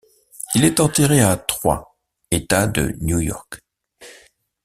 Il est enterré à Troy, État de New York.